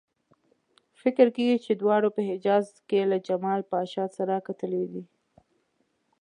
فکر کېږي چې دواړو په حجاز کې له جمال پاشا سره کتلي دي.